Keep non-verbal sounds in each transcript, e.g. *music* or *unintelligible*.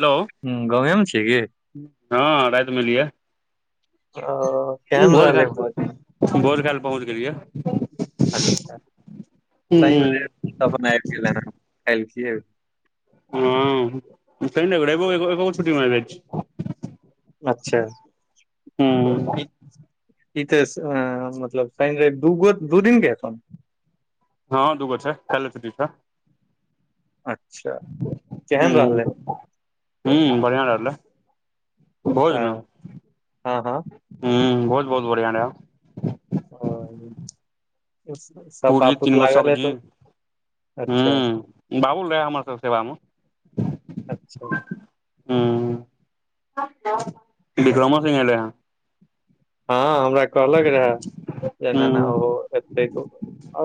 Hello हू गाँवे म छीय की हँ राइत मे एलियै ओ उ केहन भोज रहलै *inaudible* भोज खायल पहुँच गेलियै अच्छा सही मे *inaudible* आब गेलै हन कलखियै *unintelligible* अच्छा हूँ ई तऽ मतलब शइन रैब दूगो दू दिन *unintelligible* हँ दू गो छै कायलो छुट्टी छै अच्छा ह केहन रहलै ह बढ़िआँ रहलै सेह हँ हँ ह बहुत बहुत बढ़िया रहै ओ सब बापूत लागल हेतो हू बाबुल रहै हमर सबके सेवा अच्छा मे ह बिक्रमो संगे एलै ह हँ हमरा कहलक रहे जे एना ना हूँ ओ एतै तऽ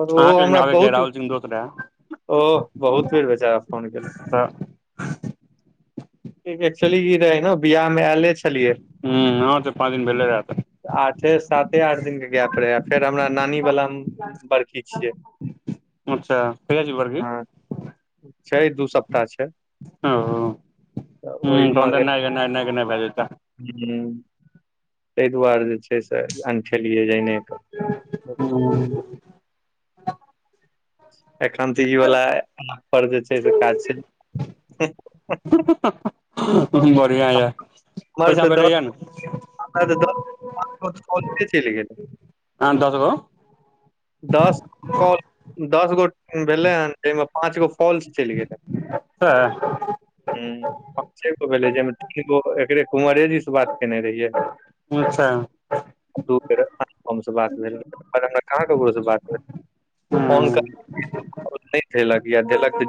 ओर ओहो लेकिन हमरा आबैके बहुत राहुल सिंह दोस्त रहै ओह बहुत बेर बेचारा फोन केलकेय तऽ एक्चुली ई रहे न बियाह मे एले छलियै हू *inaudible* पाँ दिन भेले रहा तऽ आठे साते आठ दिन के गैप रहै फेर हमरा नानी वला बड़खी छियै अच्छा कहिया छी बड़की हँ छै दू सप्ताह छय ओह तहन तऽ ऐनाय गेनाय ऐनाय गेनाय भेजेते हूँ तेइ दुआरे जे छै से अनठेलियै जाने कऽ एखन तऽ ई वाला एप पर जे छै से काज छै *unintelligible* बढ़िआँ यऽ हमर पैसा तऽ दस भेटै य ने हमरा *inaudible* हाँ दसगो दस कॉ दस गो भेलै हन जाइमे पाँच गो फॉल्स चैल गेलै सेह हू पाँचेगो भेलै जइमे तीनगो एकरे कुँवरेजी से बात *inaudible* कहाँ अच्छा हूं ककरो स बात भेल फोन *inaudible* नय धेलक या देलक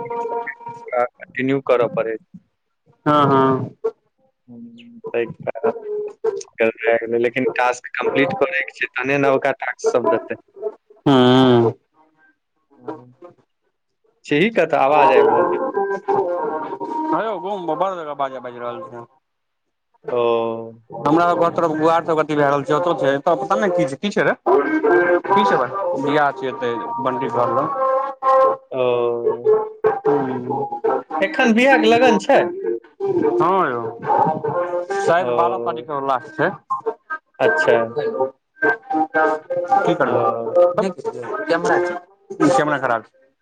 *inaudible* कंटिन्यू करऽ पड़ैत हँ हँ *inaudible* *inaudible* लेकिन टास्क कम्पलिट करै के छै तहने नबका टास्क सब देतै हूं *inaudible* छीही कतऽ आवाज आइब रहल छौ *unintelligible* बड़ जगह बाजा बाजि रहल छै ओ हमरा सब घर तरफ गुआर सब अथ भए रहल छै ओत छै पता ने की छै की छै रे की सब भ बियाह छै एते बंटीं घर ल ओ ह *inaudible* एखन बियाह के लगन छै हँ यौ शायद ओ बारह तारीख के लास्ट छै अच्छे की ओ करब नै कुछों कैमरा खराब *unintelligible*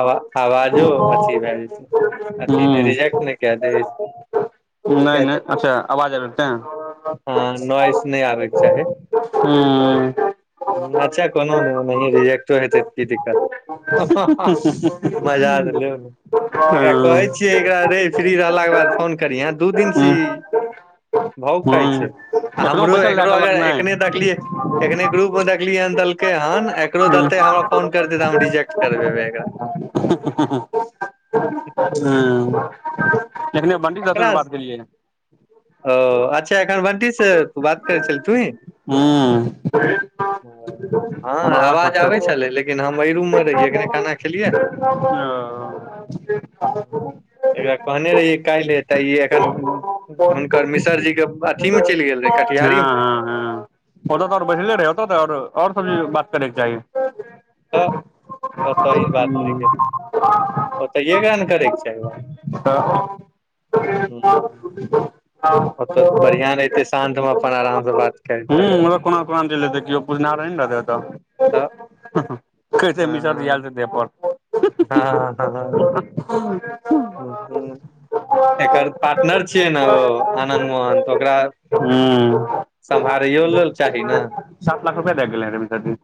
आ अवाजो अथी भए जय छै अथी नय रिजेक्ट नय के दय नय नय अच्छ आवाज आबै हँ तेय नॉइस नहि आबैके चाही *inaudible* हू अच्छा कोनो नहि ओना रिजेक्टो हेतै की दिक्कत ह ह *inaudible* मजा देलायो एकरा कहै छियै एकरा रै फ्री रहलाक के बाद फोन करी यह दू दिन स ई भाव ह खाय छै आ एखनो हमरो बैसल लए एकरो कहलक अगर नहि एकने देखलियै एखने ग्रुप मे देखलियै हन देलकै हन एकरो ह देते हमरा फोन करते तऽ हम रिजेक्ट करबेबै एकरा ह *inaudible* एखने बंटी से ककरा तुरंत स? बात केलियै ओ अच्छा एखन वंटी से बात करै छल तूही हू हँ आवाज आबै छलै लेकिन लेकिन हम एहि रूम मे रहियै अखने खाना खेलियै हु एकरा कहने रहियै काल्हि हे तऽ ई एखन हुनकर मिसर जी के तीम चल गेल *inaudible* हँ मे हँ हँ ओतऽ तऽर बैसले रहै तऽ आओर सब स बात करेके चाही तऽ ओतऽ ई बात नहि गेल ओतऽ ये करै के चाहे तऽ ज जी *inaudible* ओत बरिया रयतै शान्त में अपन आराम से बात हु करिते मतलब कोना कोना चलितै केओ पुरना रहे ने रहतै तऽ ओतऽ कै छै मिशर हँ यल त अपन हँ ह ह ह *inaudible* एकर पार्टनर छियै ने ओ आनन्द मोहन तऽ ओकरा ह सम्हारै लेल चाही न सात लाख रुपैआ द गेलै रवीनदर जि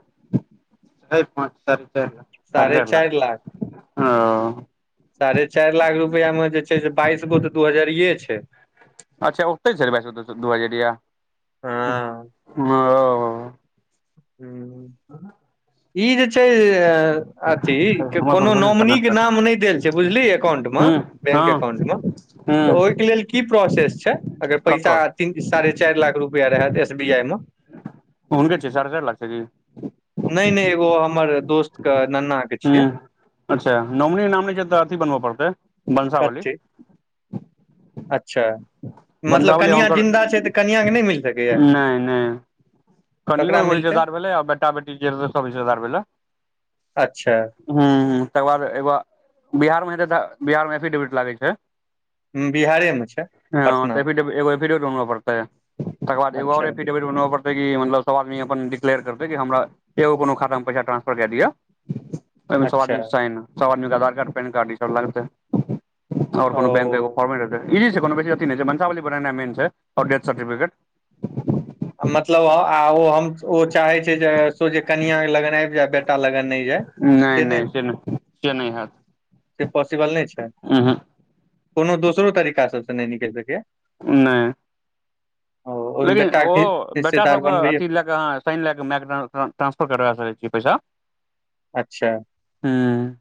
हँ स छै ने *inaudible* सारै चायर लाख सारे चायर लाख रुपआ मे जे छै से बाइस गो तऽ दू हजरिये छै अच्छा ओते छै रेबाय दू दू दूहजरि या *inaudible* हँ हू *unintelligible* आ *unintelligible* ई जे छै अ अथी हमर कोनो परभूर नोमनीक के कर्नाटक नाम नहि देल छै बुझली एकाउंट मे हू बैंक हँ अकाउंट म हू तऽ ओहि के लेल की प्रोसेस छै अगर पैसा ककर तीन साढ़े चार लाख रुपआ रहय दे एसबीआई मे हुनके छै साढ़े *unintelligible* नय नय एगो हमर दोस्त के नना ह्मँ अच्छा नौमनी नाम नहि छै तऽ अथी बनबऽ पड़तै वनसावली कथी अच्छा मतलब वंशावली कनिआँ हुनकर जिन्दा छै तऽ कनिआँ के नय मिल सकैये नहि नहि कनियो एगो रिश्तेदार भेलै आ बेटा बेटी जे सब रिश्तेदार भेलै अच्छा ह तकर बाद एगो बिहार मे बिहार मे एफिडेविट लागै छै बिहारे मे छै हँ पटना तऽ मे एफिडेविट एगो एफिडेविट बनबाई पड़तै तकर बादर एगो और अच्छा एफिडेविट बनबा पड़ते मतलब सब आदमी अपन डिक्लेयर करतै हमरा एगो को खाता मे पैसा ट्रांसफर कए दिय सब आदमी अच्छा के साइन सब आदमी के आधार कार्ड पैन कार्ड लागतै ओर कोनो बैंक क ओ एगो कॉपी देतई इजी छै कोनो बेसी अथी नय छै वंशावली बनना मेन छै डेथ सर्टिफिकेट मतलब *unintelligible* हम ओ चाहे छै जे सोझे कनआ लगन आबि जाय बेटा लगन नय जाय नय नय से नय से नै से पॉसिबल नय छै उहूँ कोनो दोसरो तरीका सबसँ नय निकलि सकैएा नय ओहिमे लेकिन बेटा ओ के बेटा हिस्सेदार सबके बनबैय अथी लए क ह साइन लए क मै ट्रांसफर करबा सकै छी पैसा अच्छा हूँ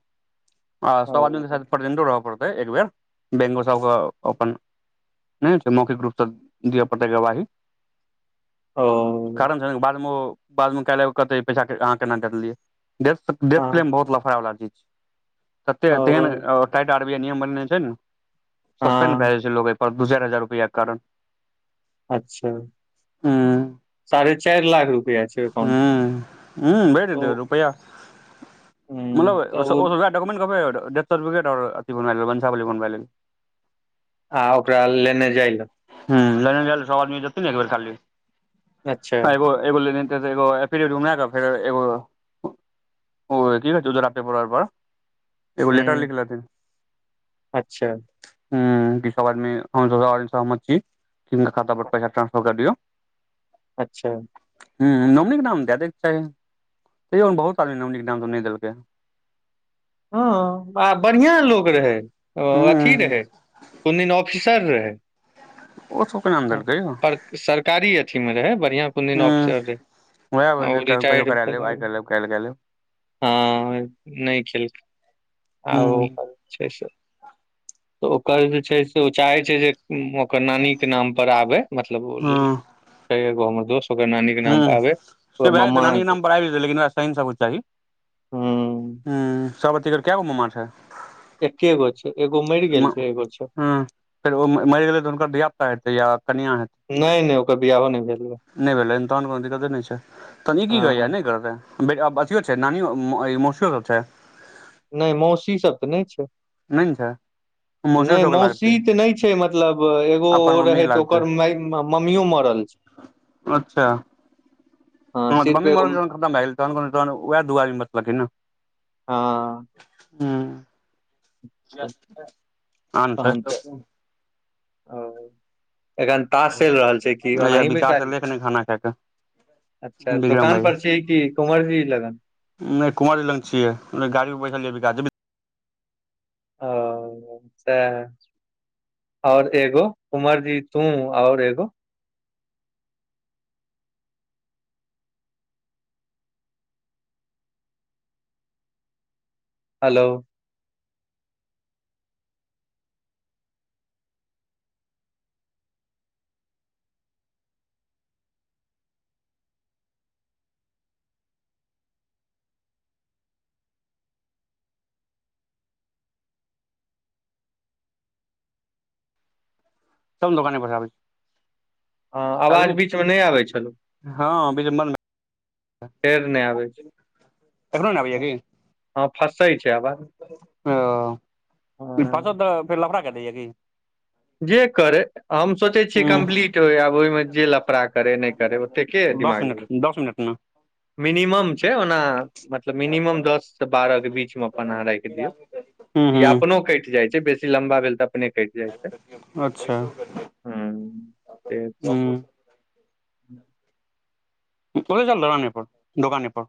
आ ओ सभ आदमी के साथ प्रेजेंट रहय पड़तै एक बेर बैंक सबके अपन नय होइ छै मौखिक रूप सँ दिअ पड़तै गवाही ओ कारण छ ने बाद मे ओ बाद मे काल्हि क कहताई पैसा अहाँ केना देलियै डेथ हँ क्लेम बहुत लफारा वला चीज छिए तते तेहन ओ टाइट आर बी आई नियम बनेने छै ने सस्पेंड भए हँ जाय छै लोग पर दू चार हजार रुपैआ कारण अच्छा हूं साढ़े चार लाख रुपआ छै एकाउंट मे हूं हूं भेज ओ देतै रुपैआ मतलब हूँ तऽ ओ वहाँ डॉक्यूमेंट डेथ सर्टिफिकेट और वंशावली बनबे लैल आ ओकरा लेने जाइयौ ह ल ल स आदमी जत ने एक बेर खाली अच्छा अ एगो एगो लेने आते त फ ऐ डेबिट बनवा क फेर एगो ओ कि कहै छै उजरा पेपर पर एगो लेटर हूँ लिख लेथिन अच्छा ह ई सब आदमी *unintelligible* हम सहमद छी तिनक खाता पर पै ट्रासफर क दियऔ अच्छा हूँ नमनी क नाम दै दैब चाही तैयो ने बहुत आदमी नमनीके नाम नय देलकै हँ आ बढ़िया लोग रहै ओ अथी हूं रहै कोन दिन ऑफिसर रहै ओ सब के नाम देलकै यो पर सरकारी अथी मे रहै बढ़ियां कुनदिन ऑफसर हूं रहै वएह वजह आओ कहियो रिटारड करा लेब भेला आइ कए लेब काल्हि कए लेब हँ नय खेलकै आओ हूं छै से तऽ ओकर जे छै से ओ चाहे छै जे ओकर नानी के नाम पर आबे मतलब *unintelligible* हूं छय एगो हमर दोस्त ओकरा नानी के नाम हूं पर आबै से ओर भए जेतै ममा नानी के क नाम पर आबि जेतै लेकिन ओकरा ह ह *unintelligible* कए गो ममा छय एके गो छय एगो मैर हँ फेर ओ मैर गेलै तऽ हुनकर धियापुता हेतै या कनिआँ हेतै नय नय ओक बिआहो ने भेल या नय भेलैन तहन कोनो दिक्कते नय छै तहन ई की कहै य हँ नय करतै अथी छै नानी मौर्सी सब छै नय मौसी सब तऽ नय छै नय ने छय नय मौसी तऽ नय छै मतलब एगो ओ अपन मम्मी रहे त लागतै ओकर मम्मियो मरल *inaudible* अच्छा हँ तऽ सिर्फ मम्मी एगो मरन खतम भए गेलै तहन को तह ओएह दु आदमी बचलखिन न हँ हू आन *inaudible* छै तहन तऽ आ एखन तास चैल रहल छै कि हैया ओनाही विकास बैसारी एलै कनि खाना खा कऽ अच्छा विक्रम दुकान पर छीय कि कुवर जी लगन नय कुवर जी लंग छिय *unintelligible* गाड़ी बैसा ओ सेह ओर एगो कुमरजी तू ओर एगो हेलो चल दोकान पर स आबै छी ह आवाज बीच मे नय आबै छलो हँ बिच में बं फेर नहि आबै छै *inaudible* कखनो ने आबैय की हँ *inaudible* फँसै छै आवाज हँ *unintelligible* फसत तऽ फेर लफड़ा के दैए की जे करै हम सोचै छियै हूँ कम्प्लीट हो आब ओइमे जे लफड़ा करै नय करै ओते के दिमाग लगै पांच मिनट न मिनिमम छै ओना मतलब मिनिमम दससँ बारह के बीच मे अपन अहाँ रैख दियौ हूँ हूँ या अपनो कैट जाइत छै बेसी लम्बा भेल तऽ अपने कैट जाइ छै अच्छा हँ से छै हूँ *unintelligible* चलै चल दलाने पर दोकाने पर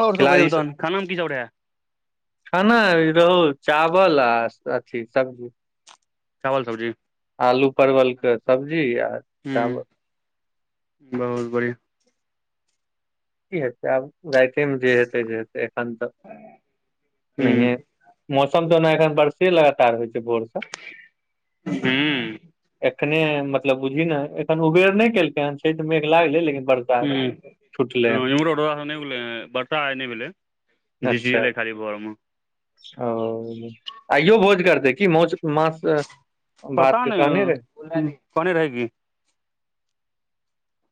ओर सब कहियो तहन खाना मे की सब रहा खाना रहु चावल आ अथी सब्जी चावल सब्जी आलू परवल के सब्जी आ हू चावल बहुत बढ़िआँ क हेत आब राति मे जे हेतै जे हेै एखन तऽ हूँ नहिए मौसम तऽ ओना एखन बारसे लगातार होइ छै बोरस हूँ एकखने मतलब बुझली ने एखन उबेर नहि केलकै हन छठ मेघ लागलै लेकिन बरसा हम्म छुटलै हन इमहरो रौदा सेव नै उगले ह बर्षा आई नय भेलै अच्छा झिसयले खाली भोर मे ओ आइयो भोज करतै कि मौ मास पता नय कोने रहेगी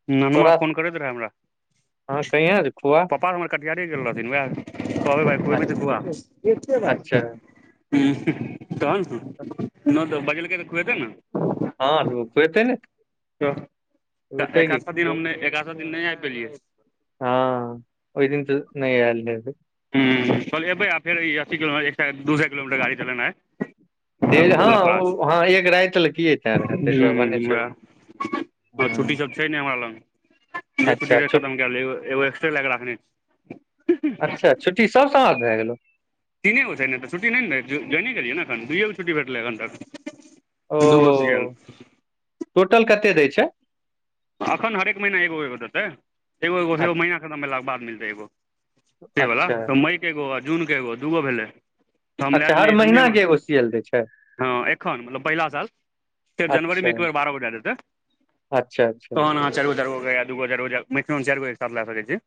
ननमा तोरा फोन करैत रहै हँ हमरा कहिया जे पापा खुआ हमर कटिहारहा रे गेल रहथिन अ- कबहै भाई खूबे त अच्छा खुआ ह तहन ने नय तऽ बजलकै तऽ खुएतै ने हँ अ कुयेते ने त तऽ खुएतै कि एकधा दिन हम नय एकधा दिन हम नय आबि पेलियै ह ओइ दिन त नै आइल हैबबई हूँ चल एबै आ फेर ई अस्स किलोमर एक दूए किलोमीटर गाड़ी चेनाइ देर हँ ओ हँ एक राति लए क तें रहे ताहि दुआरे भने छो आ छुट्टी सब छै ने हमरा लग जे छूटी अच्छा रहे छु, खतम कए ल एगो एक्स्ट्रा ले क रखने छिये अच्छा छुट्टी सब समझ भए गेलो तीने हो छै छ त छुट्टी नहि ने त जइ नहि करीै नेखन दुइएके छु्ट भेटै अखन तक ओ दूगो सुईआ टोटल कते दै छै एखन हरेक महीना एगो एगो देतै एगो अ- एगोगो महीना खतम भेला के बाद मिलतै एगो से बला अच्छा त मई के गो जून के एगो दूगो भेलै तऽ हम लए अच्छा हर लेलियै जूने महीना मे के एगो सीएल दै छै हँ एखन मतलब पहिला साल फेर जनवरी अच्छा मे एक बेर बारह गो देदेते अच्छा अच्छा चार गो रोज़ या दगो रोज़ चार गो हिसाब लए सके छी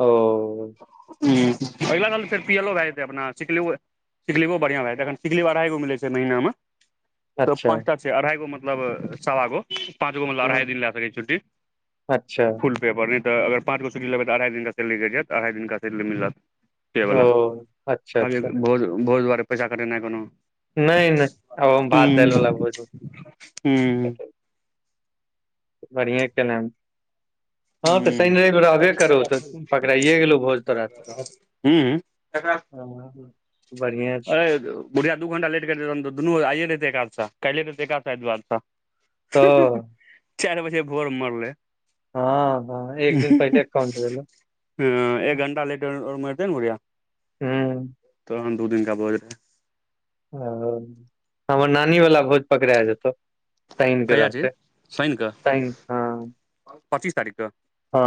ओ ह अगला साल तऽ फेर पियलो भए जेतै अपना *unintelligible* सिक लीव भ भड़िया भ जात एखन सिक लीव अड इगो मिल छै महिना मे तऽ अच्छा पाँचटा छै अढ़ाई गो मतलब सवा गो पाँच गो मतलब अढ़ाई हूँ दिन ल छु्टी अच्छा पेपर नौ त पाँच गो लेै तऽ अाइ दिननक सेलरी जात अढ़ाइ दनकिन सैलरी मिलत से ओ बला अच्छा अच्छा भोज भोज दुआरे पैसा कटेनाइ कोनो नय नय आब हम भात दाल हूँ वाला भोजन म हूँ बढ़िआ केला हँ तऽ हूँ शनि रेब रहबे करू तऽ पकड़ाइए गेलहु भोज तोरा तऽ हूँ हँ *unintelligible* बढ़िआँ छै बुढ़ियाआ दू घंटा लेट करै तऽ दुनू आइए रहतै एकध काल्हिे रहताई एकध सा आत दुआारसँ तऽ चारि बजे भोर मरले हँ हँ एक दिन पहिल एक काउंट भेले ह एक घण्टा लेट मरतै ने बुढ़िया हूँ तहन दू दिनका भोज रहै ओ हमर नानि वला भोज पकड़य जेतो साइन क कहिया छी रहताई शैन कऽ साइन ह पच्चीस तारीख क ओ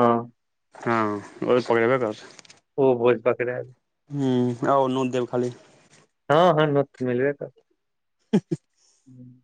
हँ ओ पकड़े बे करते ओ भोज पक्राईट ह आउ नूत देब खाली हँ हँ नोत मिलबै करत *unintelligible* *inaudible*